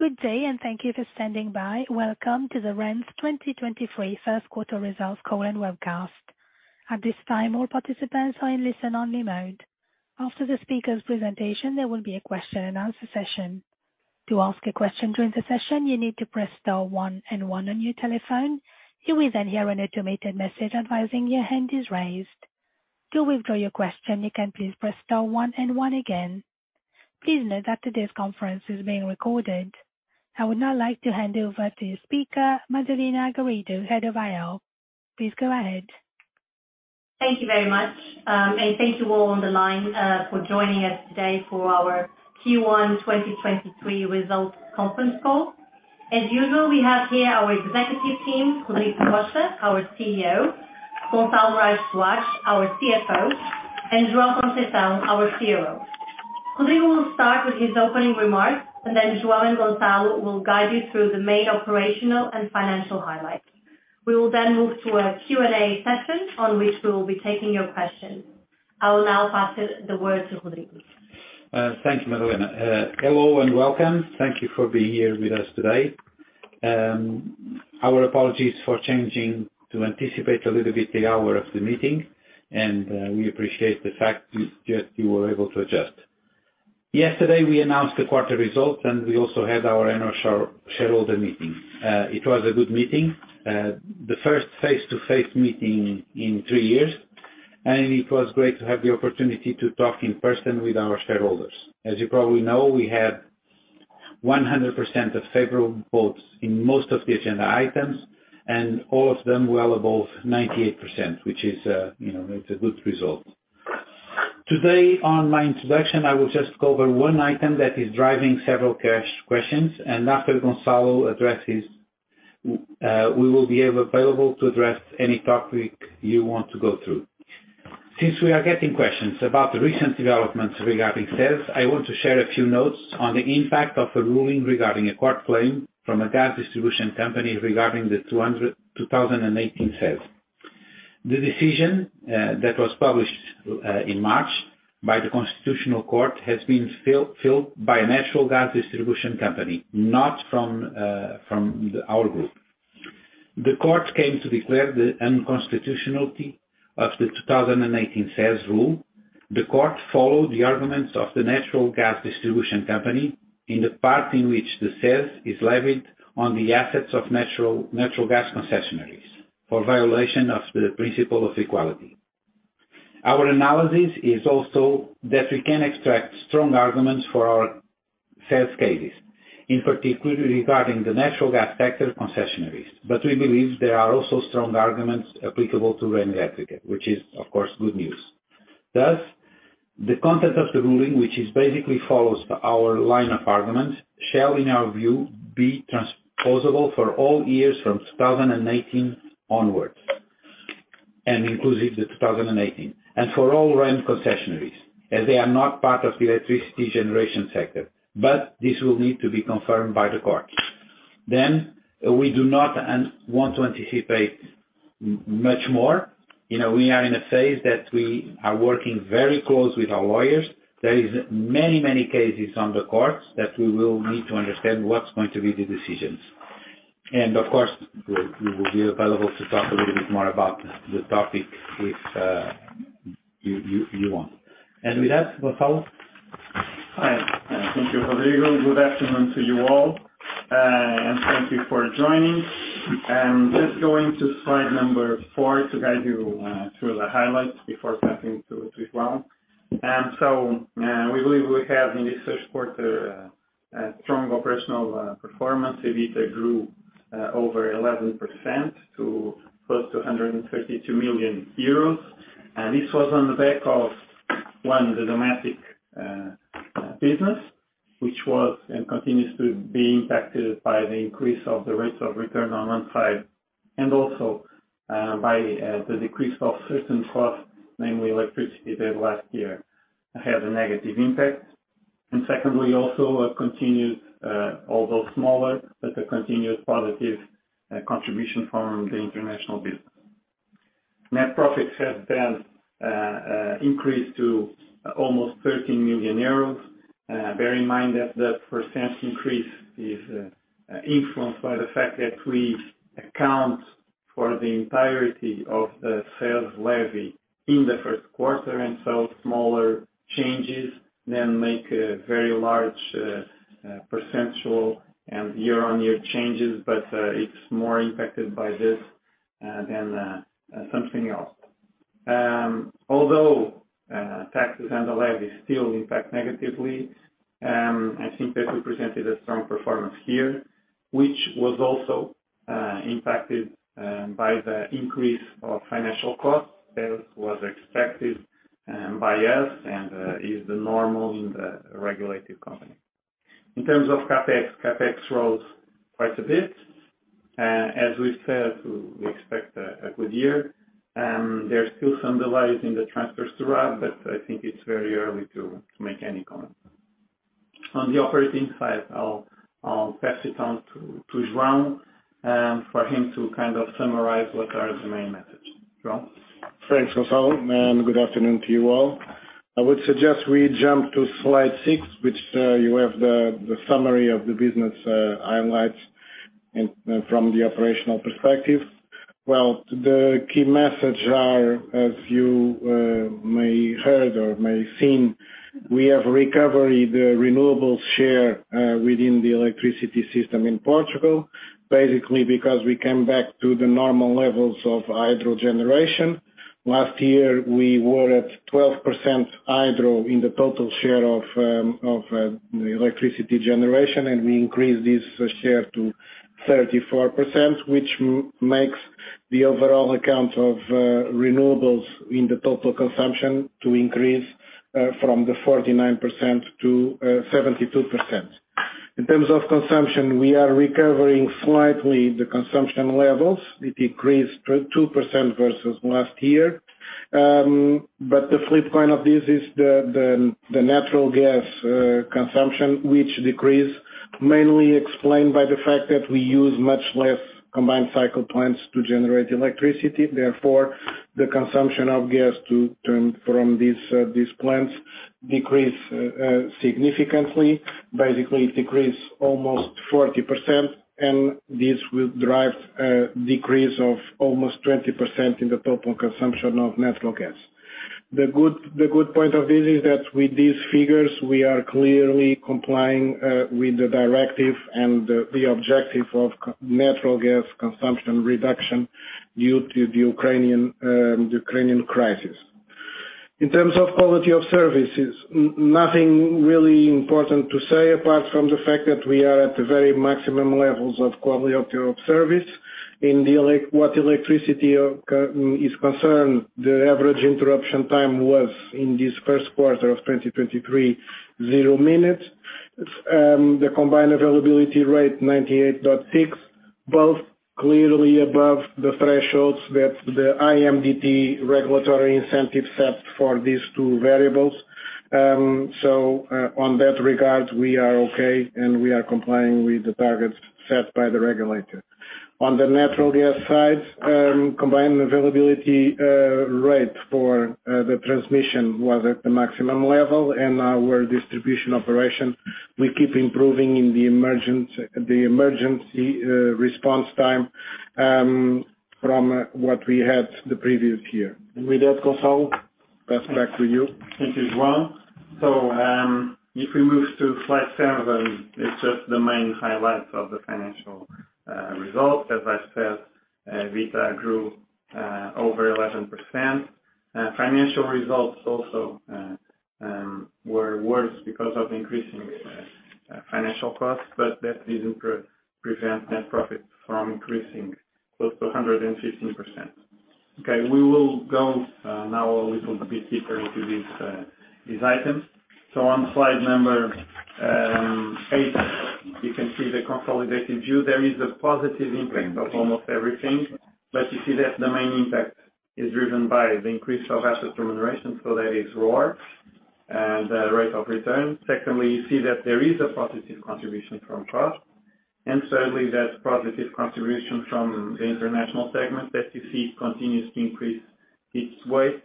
Good day and thank you for standing by. Welcome to the REN's 2023 First Quarter Results Call and Webcast. At this time all participants are in listen only mode. After the speaker's presentation, there will be a question and answer session. To ask a question during the session, you need to press star one and one on your telephone. You will then hear an automated message advising your hand is raised. To withdraw your question, you can please press star one and one again. Please note that today's conference is being recorded. I would now like to hand over to speaker Madalena Garrido, Head of IR. Please go ahead. Thank you very much, thank you all on the line for joining us today for our Q1 2023 results conference call. As usual, we have here our executive team, Rodrigo Costa, our CEO, Gonçalo Morais Soares, our CFO, and João Faria Conceição, our COO. Rodrigo will start with his opening remarks then João and Gonçalo will guide you through the main operational and financial highlights. We will move to a Q&A session on which we will be taking your questions. I will now pass the word to Rodrigo. Thank you, Madalena. Hello and welcome. Thank you for being here with us today. Our apologies for changing to anticipate a little bit the hour of the meeting, we appreciate the fact you were able to adjust. Yesterday we announced the quarter results, we also had our annual shareholder meeting. It was a good meeting, the first face-to-face meeting in three years, it was great to have the opportunity to talk in person with our shareholders. As you probably know, we had 100% of favorable votes in most of the agenda items, all of them well above 98%, which is, you know, it's a good result. Today on my introduction, I will just cover one item that is driving several cash questions, and after Gonçalo addresses, we will be available to address any topic you want to go through. Since we are getting questions about the recent developments regarding CESE, I want to share a few notes on the impact of a ruling regarding a court claim from a gas distribution company regarding the 2018 CESE. The decision that was published in March by the Constitutional Court has been filed by a natural gas distribution company, not from from our group. The court came to declare the unconstitutionality of the 2018 CESE rule. The court followed the arguments of the natural gas distribution company in the part in which the CES is levied on the assets of natural gas concessionaries for violation of the principle of equality. Our analysis is also that we can extract strong arguments for our CES case, in particular regarding the natural gas sector concessionaries. We believe there are also strong arguments applicable to REN electric, which is of course good news. The content of the ruling, which is basically follows our line of argument, shall in our view be transposable for all years from 2018 onwards and inclusive to 2018. For all REN concessionaries, as they are not part of the electricity generation sector. This will need to be confirmed by the court. We do not want to anticipate much more. You know, we are in a phase that we are working very close with our lawyers. There is many, many cases on the courts that we will need to understand what's going to be the decisions. Of course, we will be available to talk a little bit more about the topic if you want. With that, Gonçalo? Hi. Thank you, Rodrigo. Good afternoon to you all, and thank you for joining. I'm just going to slide number four to guide you through the highlights before passing to João. We believe we have in this first quarter a strong operational performance. EBITDA grew over 11% to close to 132 million euros. This was on the back of, one, the domestic business, which was and continues to be impacted by the increase of the rates of return on one side, and also by the decrease of certain costs, namely electricity that last year had a negative impact. Secondly, also a continued, although smaller, but a continuous positive contribution from the international business. Net profits have been increased to almost 13 million euros. Bear in mind that the percentage increase is influenced by the fact that we account for the entirety of the sales levy in the first quarter. Smaller changes then make a very large percentual and year-on-year changes. It's more impacted by this than something else. Although taxes and the levy still impact negatively, I think that represented a strong performance here, which was also impacted by the increase of financial costs that was expected by us and is the normal in the regulated company. In terms of CapEx rose quite a bit. As we've said, we expect a good year. There are still some delays in the transfers to RAB, but I think it's very early to make any comments. On the operating side, I'll pass it on to João, for him to kind of summarize what are the main message. João? Thanks, Gonçalo, and good afternoon to you all. I would suggest we jump to slide six, which you have the summary of the business highlights and from the operational perspective. Well, the key message are, as you may heard or may seen, we have recovered the renewable share within the electricity system in Portugal, basically because we came back to the normal levels of hydro generation. Last year, we were at 12% hydro in the total share of electricity generation, we increased this share to 34%, which makes the overall account of renewables in the total consumption to increase from the 49% to 72%. In terms of consumption, we are recovering slightly the consumption levels. It decreased to 2% versus last year. The flip coin of this is the natural gas consumption, which decreased, mainly explained by the fact that we use much less combined cycle plants to generate electricity. Therefore, the consumption of gas to turn from these these plants decreased significantly. Basically, it decreased almost 40%, and this will drive a decrease of almost 20% in the total consumption of natural gas. The good, the good point of this is that with these figures, we are clearly complying with the directive and the objective of natural gas consumption reduction due to the Ukrainian Ukrainian crisis. In terms of quality of services, nothing really important to say apart from the fact that we are at the very maximum levels of quality of service. What electricity is concerned, the average interruption time was, in this first quarter of 2023, 0 minutes. The combined availability rate, 98.6%. Both clearly above the thresholds that the IMDP regulatory incentive set for these two variables. On that regard, we are okay, and we are complying with the targets set by the regulator. On the natural gas side, combined availability rate for the transmission was at the maximum level. Our distribution operation, we keep improving in the emergency response time from what we had the previous year. With that, Gonçalo, pass back to you. Thank you, João. If we move to slide seven, it's just the main highlights of the financial results. As I said, EBITDA grew over 11%. Financial results also were worse because of increasing financial costs, but that didn't prevent net profit from increasing close to 115%. We will go now a little bit deeper into these items. On slide number eight, you can see the consolidated view. There is a positive impact of almost everything, you see that the main impact is driven by the increase of asset remuneration, that is ROAR, rate of return. Secondly, you see that there is a positive contribution from Transemel. Thirdly, that positive contribution from the international segment that you see continues to increase its weight.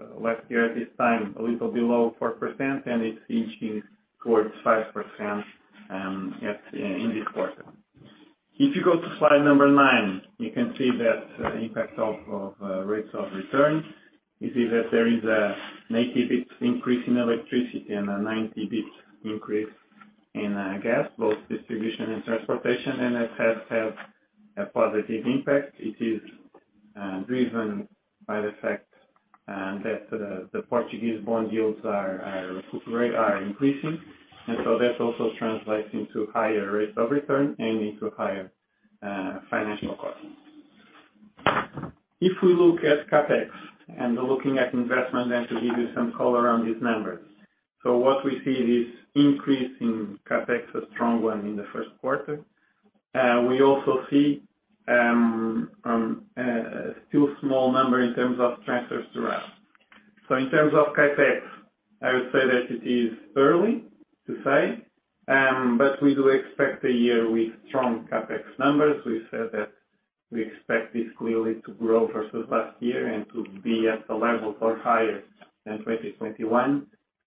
It was last year at this time, a little below 4%, and it's inching towards 5% in this quarter. If you go to slide number nine, you can see that impact of rates of return. You see that there is a 90 basis points increase in electricity and a 90 basis points increase in gas, both distribution and transportation, and it has had a positive impact. It is driven by the fact that the Portuguese bond yields are increasing. That also translates into higher rates of return and into higher financial costs. If we look at CapEx and looking at investment, and to give you some color on these numbers. What we see is increase in CapEx, a strong one in the 1st quarter. We also see still small number in terms of transfers throughout. In terms of CapEx, I would say that it is early to say, but we do expect a year with strong CapEx numbers. We said that we expect this clearly to grow versus last year and to be at the levels or higher than 2021.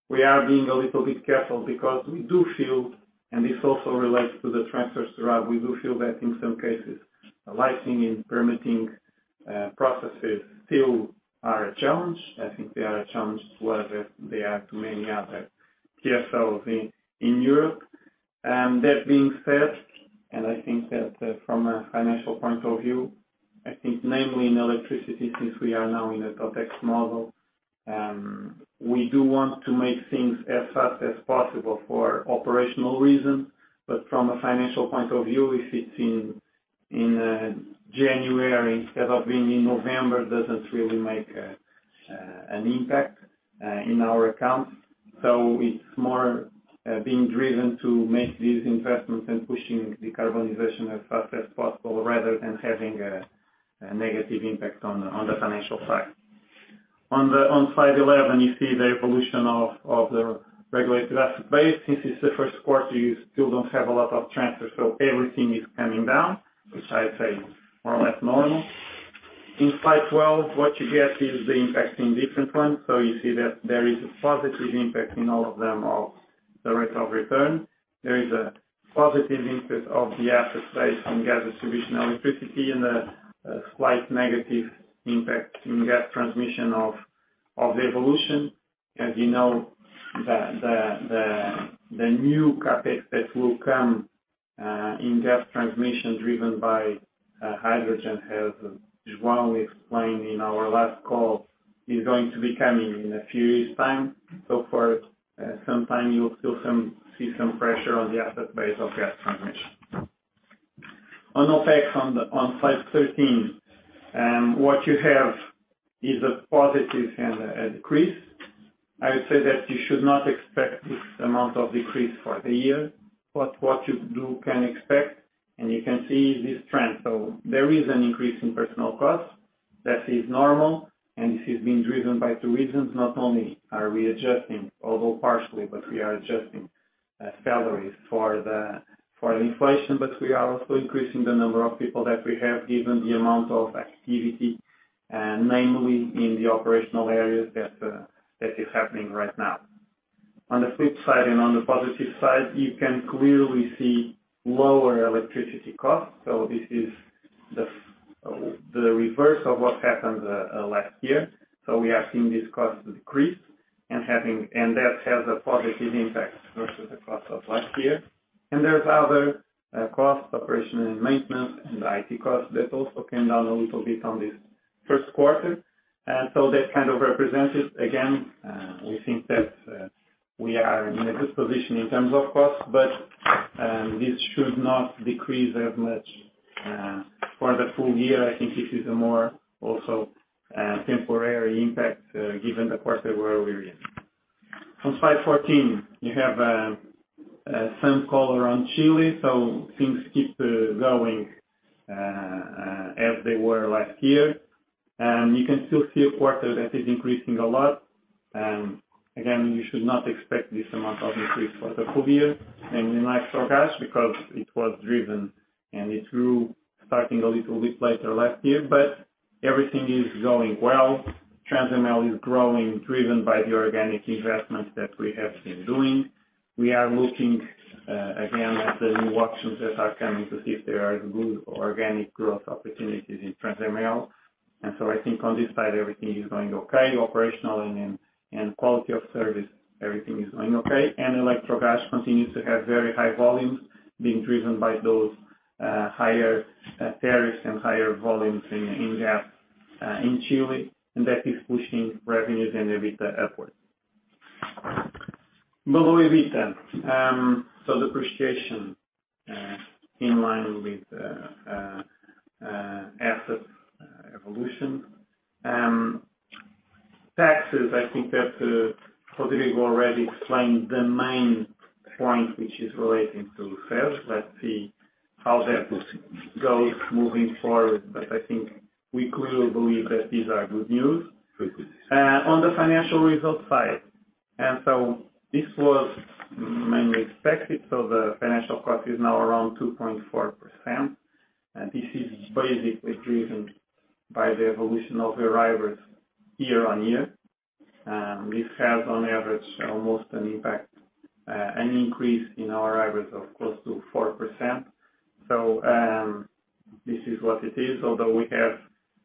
We are being a little bit careful because we do feel, and this also relates to the transfers throughout, we do feel that in some cases, licensing and permitting processes still are a challenge. I think they are a challenge to whether they are to many other TSOs in Europe. That being said, I think that from a financial point of view, I think namely in electricity, since we are now in a TotEx model, we do want to make things as fast as possible for operational reasons. From a financial point of view, if it's in January instead of being in November doesn't really make an impact in our accounts. It's more being driven to make these investments and pushing decarbonization as fast as possible rather than having a negative impact on the financial side. On slide 11, you see the evolution of the regulated asset base. It's the first quarter, you still don't have a lot of transfers, everything is coming down, which I'd say is more or less normal. In slide 12, what you get is the impact in different ones. You see that there is a positive impact in all of them of the rate of return. There is a positive impact of the asset base on gas distribution, electricity, and a slight negative impact in gas transmission of the evolution. As you know, the new CapEx that will come in gas transmission driven by hydrogen, as João explained in our last call, is going to be coming in a few years' time. For some time, you will still see some pressure on the asset base of gas transmission. On OpEx on slide 13, what you have is a positive and a decrease. I would say that you should not expect this amount of decrease for the year, but what you can expect, and you can see this trend. There is an increase in personal costs. That is normal, and this is being driven by two reasons: not only are we adjusting, although partially, but we are adjusting salaries for the inflation, but we are also increasing the number of people that we have, given the amount of activity, namely in the operational areas that is happening right now. On the flip side and on the positive side, you can clearly see lower electricity costs, so this is the reverse of what happened last year. We are seeing these costs decrease and that has a positive impact versus the costs of last year. There's other costs, operational and maintenance and IT costs that also came down a little bit on this first quarter. That kind of represents it. Again, we think that we are in a good position in terms of costs, but this should not decrease as much for the full year. I think this is a more also temporary impact given the quarter where we're in. On slide 14, you have some color on Chile. Things keep going as they were last year. You can still see a quarter that is increasing a lot. Again, you should not expect this amount of increase for the full year in Electrogas because it was driven, and it grew starting a little bit later last year. Everything is going well. Transnorte is growing, driven by the organic investments that we have been doing. We are looking again at the new auctions that are coming to see if there are good organic growth opportunities in Transnorte. I think on this side, everything is going okay. Operationally and quality of service, everything is going okay. Electrogas continues to have very high volumes, being driven by those higher tariffs and higher volumes in that in Chile, and that is pushing revenues and EBITDA upwards. Below EBITDA, so depreciation in line with asset evolution. Taxes, I think that Rodrigo already explained the main point which is relating to sales. Let's see how that goes moving forward, but I think we clearly believe that these are good news. On the financial result side, this was mainly expected, the financial cost is now around 2.4%, and this is basically driven by the evolution of the arrivals year-on-year. This has on average almost an impact, an increase in our arrivals of close to 4%. This is what it is. Although we have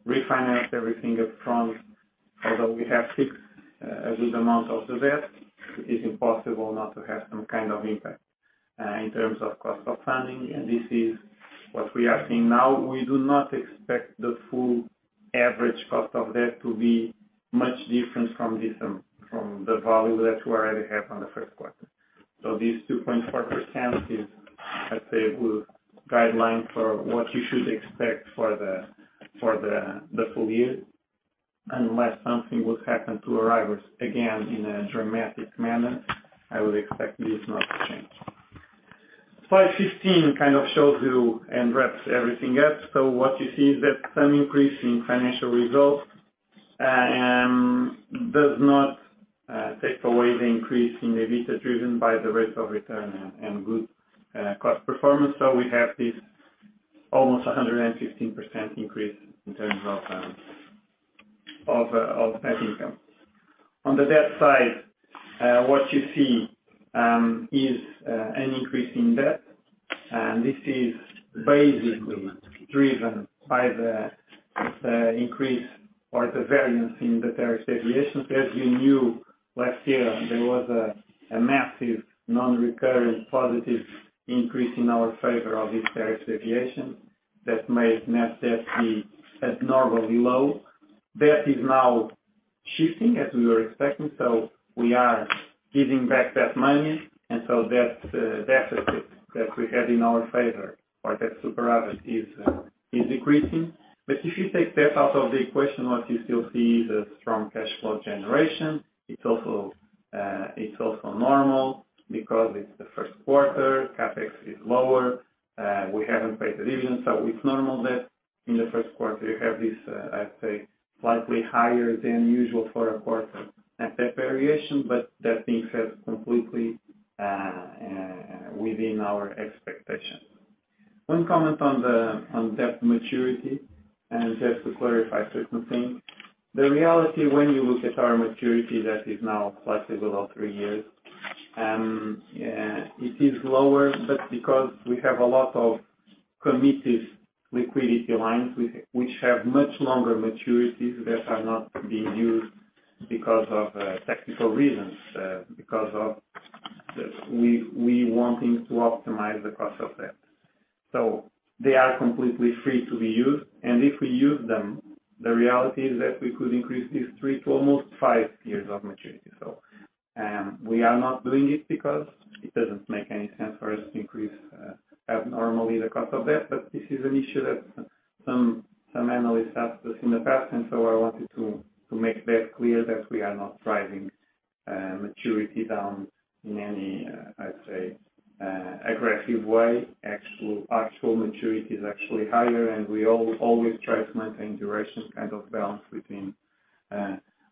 refinanced everything up front, although we have fixed a good amount of the debt, it's impossible not to have some kind of impact in terms of cost of funding, and this is what we are seeing now. We do not expect the full average cost of debt to be much different from the value that we already have on the first quarter. This 2.4% is, I'd say, a good guideline for what you should expect for the full year. Unless something would happen to arrivals again in a dramatic manner, I would expect this not to change. Slide 15 kind of shows you and wraps everything up. What you see is that some increase in financial results does not take away the increase in the EBITDA driven by the rates of return and good cost performance. We have this almost a 115% increase in terms of net income. On the debt side, what you see is an increase in debt. This is basically driven by the increase or the variance in the tariff deviations. As you knew, last year, there was a massive non-recurring positive increase in our favor of this tariff deviation that made net debt be abnormally low. That is now shifting as we were expecting. We are giving back that money. That deficit that we had in our favor or that super profit is decreasing. If you take that out of the equation, what you still see is a strong cash flow generation. It's also, it's also normal because it's the 1st quarter, CapEx is lower. We haven't paid dividends, so it's normal that in the first quarter you have this, I'd say, slightly higher than usual for a quarter asset variation. That being said, completely within our expectations. One comment on the, on debt maturity, and just to clarify certain things. The reality when you look at our maturity that is now slightly below three years, it is lower, but because we have a lot of committed liquidity lines which have much longer maturities that are not being used because of technical reasons, because of this, we wanting to optimize the cost of debt. They are completely free to be used, and if we use them, the reality is that we could increase these three to almost five years of maturity. We are not doing it because it doesn't make any sense for us to increase abnormally the cost of debt. This is an issue that some analysts asked us in the past, I wanted to make that clear that we are not driving maturity down in any, I'd say, aggressive way. Actual maturity is actually higher, and we always try to maintain duration kind of balance between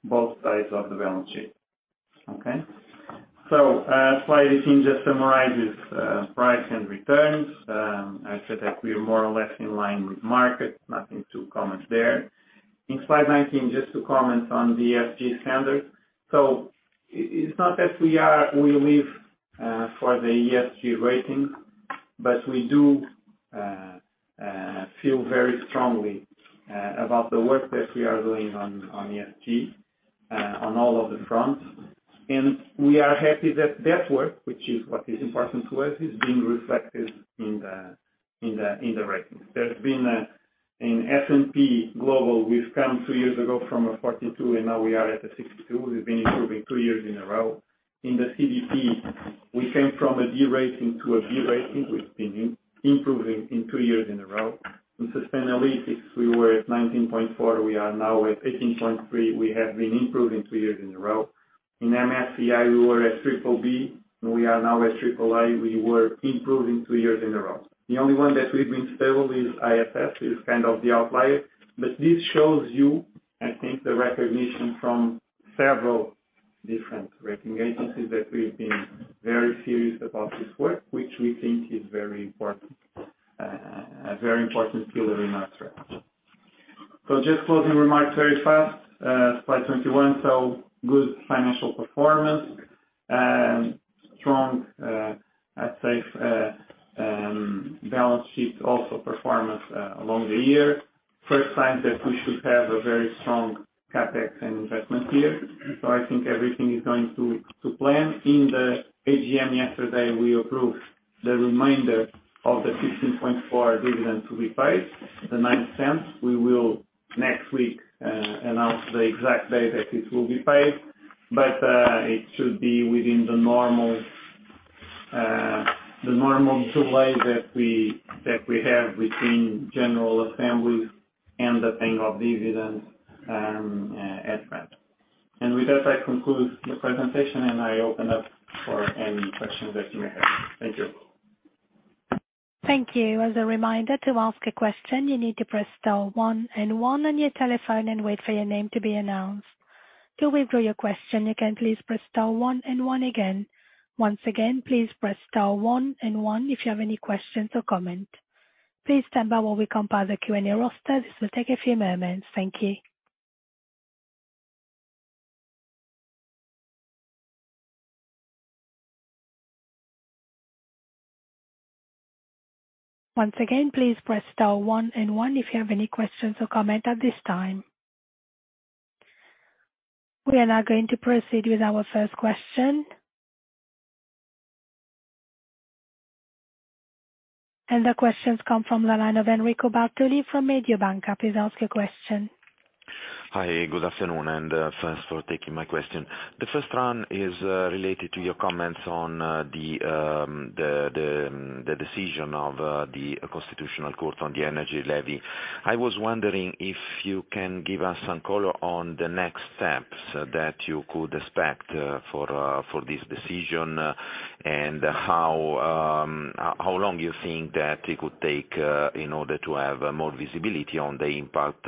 both sides of the balance sheet. Okay? Slide 18 just summarizes price and returns. I said that we are more or less in line with market. Nothing to comment there. In slide 19, just to comment on the ESG standard. It's not that we are... we live for the ESG rating, but we do feel very strongly about the work that we are doing on ESG on all of the fronts. We are happy that that work, which is what is important to us, is being reflected in the ratings. There's been a, in S&P Global, we've come two years ago from a 42 and now we are at a 62. We've been improving two years in a row. In the CDP, we came from a D rating to a B rating. We've been improving in two years in a row. In Sustainalytics, we were at 19.4, we are now at 18.3. We have been improving two years in a row. In MSCI, we were at triple B and we are now at triple A. We were improving two years in a row. The only one that we've been stable is ISS, is kind of the outlier. This shows you, I think, the recognition from several different rating agencies that we've been very serious about this work, which we think is very important, a very important pillar in our strategy. Just closing remarks very fast. Slide 21. Good financial performance and strong, I'd say, balance sheet also performance along the year. First time that we should have a very strong CapEx and investment year. I think everything is going to plan. In the AGM yesterday, we approved the remainder of the 16.4 dividend to be paid, the 0.09. We will next week announce the exact day that it will be paid. It should be within the normal delay that we have between general assemblies and the paying of dividends, upfront. With that, I conclude the presentation, and I open up for any questions that you may have. Thank you. Thank you. As a reminder, to ask a question, you need to press star one and one on your telephone and wait for your name to be announced. To withdraw your question, you can please press star one and one again. Once again, please press star one and one if you have any questions or comment. Please stand by while we compile the Q&A roster. This will take a few moments. Thank you. Once again, please press star one and one if you have any questions or comment at this time. We are now going to proceed with our first question. The questions come from the line of Enrico Bartoli from Mediobanca. Please ask your question. Hi, good afternoon, thanks for taking my question. The first one is related to your comments on the decision of the Constitutional Court on the energy levy. I was wondering if you can give us some color on the next steps that you could expect for this decision, and how long you think that it could take in order to have more visibility on the impact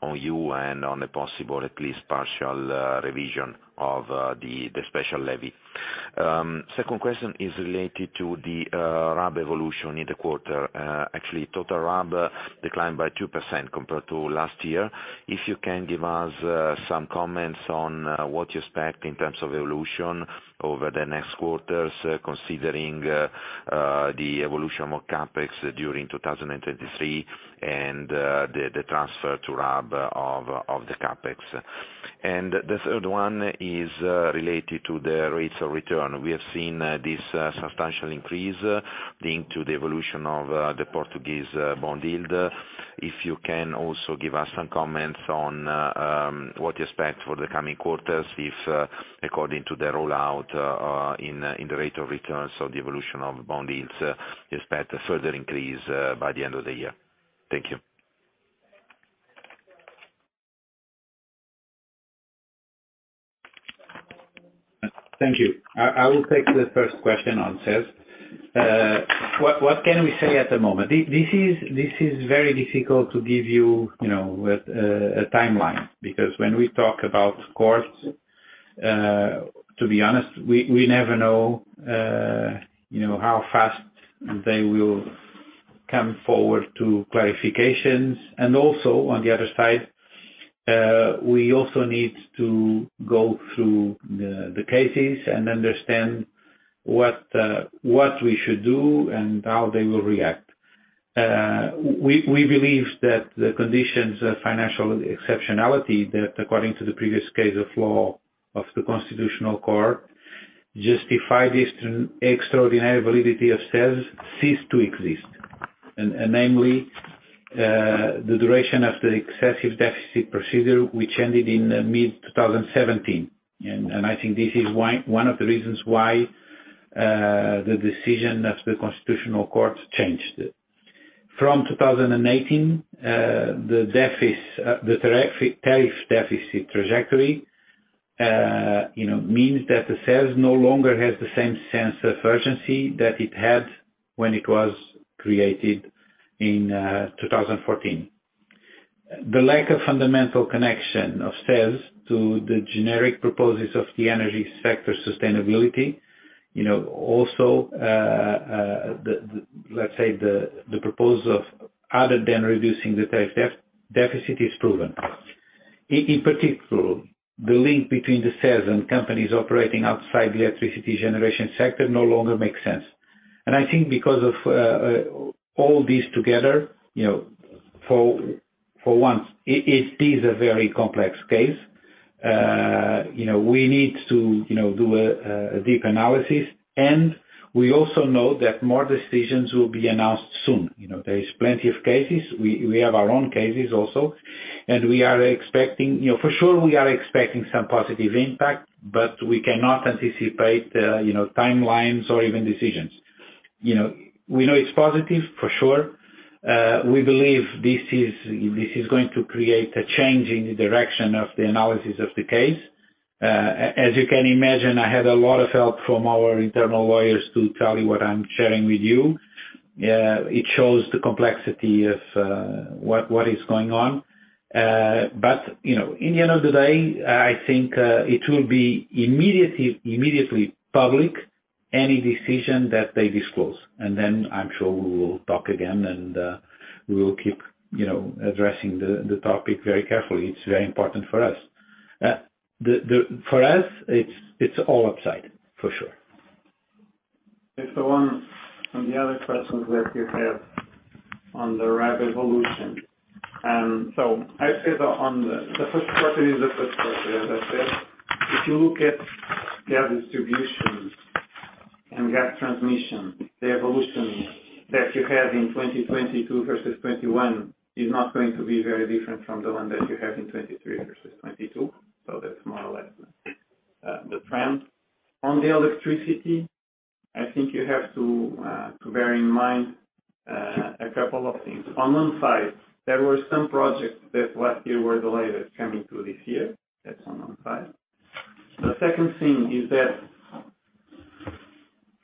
on you and on the possible, at least partial, revision of the special levy. Second question is related to the RAB evolution in the quarter. Actually total RAB declined by 2% compared to last year. If you can give us some comments on what you expect in terms of evolution over the next quarters, considering the evolution of CapEx during 2023 and the transfer to RAB of the CapEx. The third one is related to the rates of return. We have seen this substantial increase linked to the evolution of the Portuguese bond yield. If you can also give us some comments on what you expect for the coming quarters if, according to the rollout in the rate of returns or the evolution of bond yields, expect a further increase by the end of the year. Thank you. Thank you. I will take the first question on CESE. What can we say at the moment? This is very difficult to give you know, with a timeline. When we talk about courts, to be honest, we never know, you know, how fast they will Come forward to clarifications. Also, on the other side, we also need to go through the cases and understand what we should do and how they will react. We believe that the conditions of financial exceptionality that according to the previous case of law of the Constitutional Court, justify this extraordinary validity of CES cease to exist. Namely, the duration of the excessive deficit procedure, which ended in mid-2017. I think this is one of the reasons why the decision of the Constitutional Court changed. From 2018, the tariff deficit trajectory, you know, means that the CES no longer has the same sense of urgency that it had when it was created in 2014. The lack of fundamental connection of CES to the generic purposes of the energy sector sustainability, you know, also, the, let's say the purpose of other than reducing the tariff deficit is proven. In particular, the link between the CES and companies operating outside the electricity generation sector no longer makes sense. I think because of all these together, you know, for once, it is a very complex case. You know, we need to, you know, do a deep analysis. We also know that more decisions will be announced soon. You know, there is plenty of cases. We have our own cases also, and we are expecting. You know, for sure we are expecting some positive impact, but we cannot anticipate, you know, timelines or even decisions. You know, we know it's positive for sure. We believe this is going to create a change in the direction of the analysis of the case. As you can imagine, I had a lot of help from our internal lawyers to tell you what I'm sharing with you. It shows the complexity of what is going on. You know, in the end of the day, I think, it will be immediately public any decision that they disclose. I'm sure we will talk again and, we will keep, you know, addressing the topic very carefully. It's very important for us. The... For us, it's all upside for sure. If the one from the other questions that you have on the RAB evolution. I say the, on the first question is the first question, as I said. If you look at gas distributions and gas transmission, the evolution that you have in 2022 versus 2021 is not going to be very different from the one that you have in 2023 versus 2022. That's more or less the trend. On the electricity, I think you have to bear in mind a couple of things. On one side, there were some projects that last year were delayed coming through this year. That's on one side. The second thing is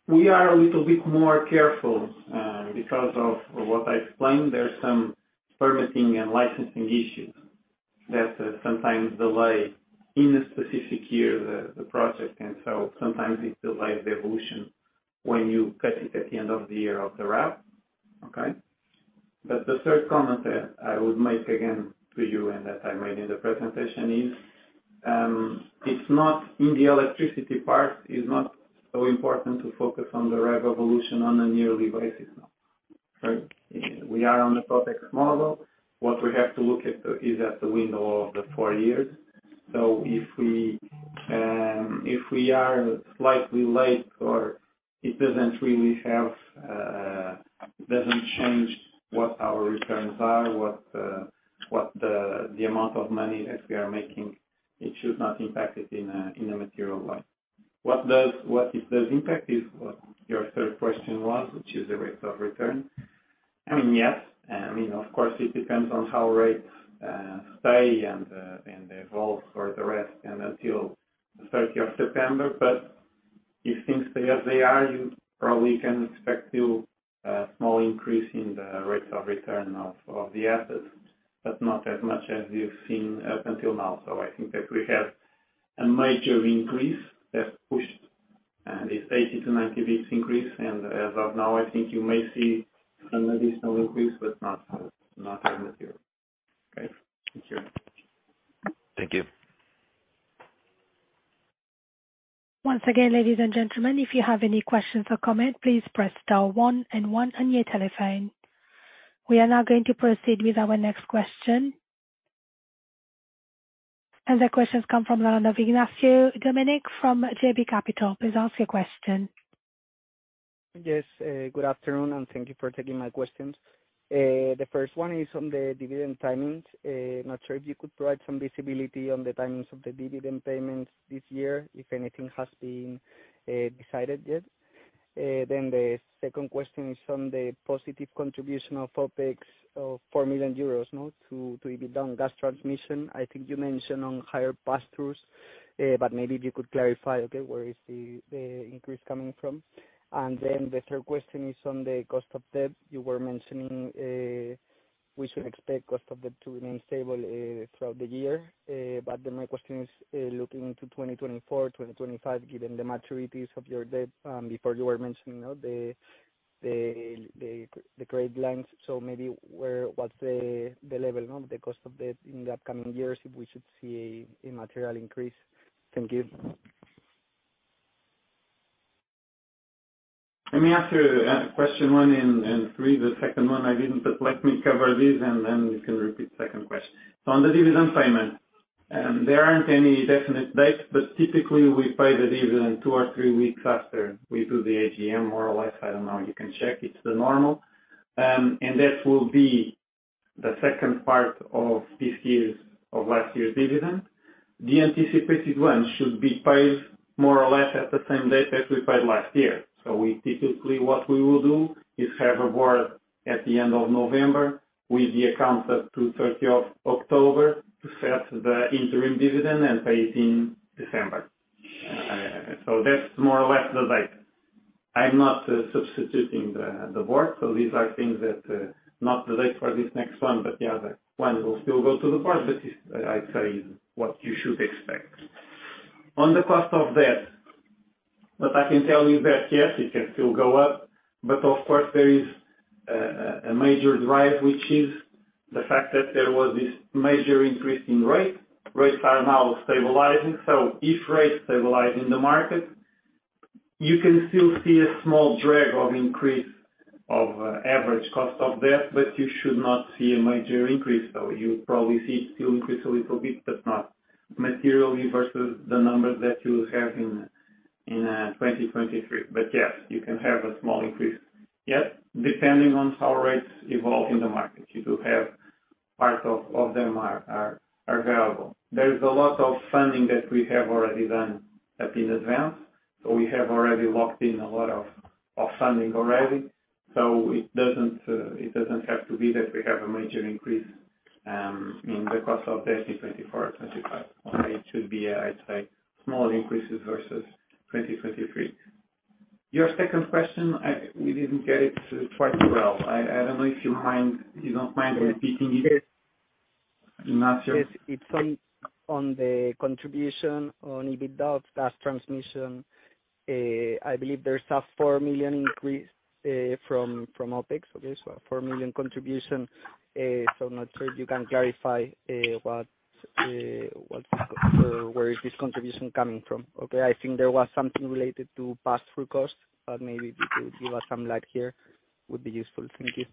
that we are a little bit more careful because of what I explained. There's some permitting and licensing issues that sometimes delay in a specific year, the project. Sometimes it delays the evolution when you cut it at the end of the year of the RAB. Okay? The third comment that I would make again to you, and that I made in the presentation is, it's not in the electricity part, it's not so important to focus on the RAB evolution on a yearly basis now. Right? We are on the CapEx model. What we have to look at is at the window of the four years. If we are slightly late or it doesn't really have, doesn't change what our returns are, what the amount of money that we are making, it should not impact it in a material way. What it does impact is what your third question was, which is the rates of return. I mean, yes, I mean, of course it depends on how rates stay and evolve for the rest and until the 30th of September. If things stay as they are, you probably can expect to a small increase in the rates of return of the assets, but not as much as we've seen up until now. I think that we have a major increase that pushed this 80 to 90 basis increase. As of now, I think you may see an additional increase, but not that material. Okay. Thank you. Thank you. Once again, ladies and gentlemen, if you have any questions or comment, please press star one and one on your telephone. We are now going to proceed with our next question. The questions come from Ignacio Domenech from JB Capital. Please ask your question. Yes, good afternoon and thank you for taking my questions. The first one is on the dividend timings. Not sure if you could provide some visibility on the timings of the dividend payments this year, if anything has been decided yet. The second question is on the positive contribution of OpEx of 4 million euros to EBITDA on gas transmission. I think you mentioned on higher pass-throughs, but maybe if you could clarify where is the increase coming from. The third question is on the cost of debt. You were mentioning, We should expect cost of the two remains stable throughout the year. My question is, looking into 2024, 2025, given the maturities of your debt, before you were mentioning, you know, the credit lines. maybe what's the level, you know, the cost of debt in the upcoming years, if we should see a material increase? Thank you. Let me answer, question one and three. The second one I didn't, but let me cover this, and then you can repeat the second question. On the dividend payment, there aren't any definite dates, but typically we pay the dividend two or three weeks after we do the AGM, more or less. I don't know, you can check. It's the normal. And that will be the second part of last year's dividend. The anticipated one should be paid more or less at the same date as we paid last year. We typically what we will do is have a board at the end of November with the accounts up to 30 of October to set the interim dividend and pay it in December. That's more or less the date. I'm not substituting the board. These are things that not relate for this next one, but the other one will still go to the board. It's, I'd say, what you should expect. On the cost of debt, what I can tell you that, yes, it can still go up. Of course there is a major drive, which is the fact that there was this major increase in rate. Rates are now stabilizing, so if rates stabilize in the market, you can still see a small drag of increase of average cost of debt. You should not see a major increase, so you'll probably see it still increase a little bit, but not materially versus the numbers that you have in 2023. Yes, you can have a small increase. Yes, depending on how rates evolve in the market, you do have part of them are variable. There is a lot of funding that we have already done up in advance. We have already locked in a lot of funding already, so it doesn't have to be that we have a major increase in the cost of debt in 2024 or 2025. It should be a, I'd say, small increases versus 2023. Your second question, we didn't get it quite well. I don't know if you mind, you don't mind repeating it? Yes. Ignacio. Yes, it's on the contribution on EBITDA, gas transmission. I believe there's a 4 million increase from OpEx. Okay. 4 million contribution. I'm not sure if you can clarify where is this contribution coming from. Okay. I think there was something related to pass-through costs, but maybe if you could give us some light here, would be useful. Thank you.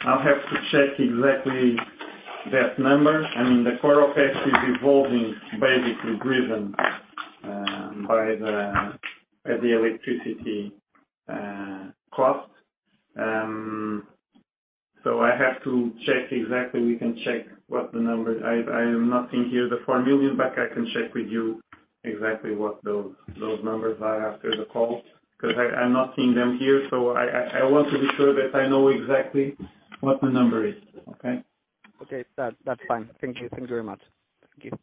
I'll have to check exactly that number. I mean, the core OpEx is evolving, basically driven by the electricity cost. I have to check exactly. We can check what the number. I am not seeing here the 4 million, but I can check with you exactly what those numbers are after the call, 'cause I'm not seeing them here, I want to be sure that I know exactly what the number is. Okay? Okay. That's fine. Thank you. Thank you very much. Thank you.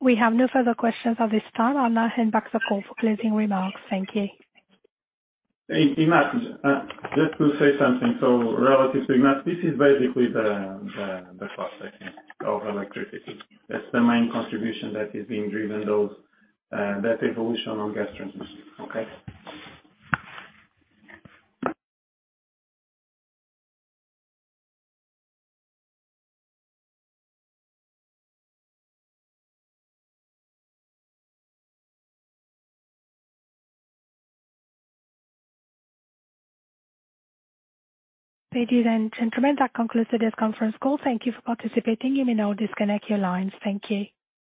We have no further questions at this time. I'll now hand back the call for closing remarks. Thank you. Hey, Ignacio, just to say something. Relative to Ignacio, this is basically the cost, I think, of electricity. That's the main contribution that is being driven, those, that evolution on gas transmission. Okay? Ladies and gentlemen, that concludes today's conference call. Thank you for participating. You may now disconnect your lines. Thank you.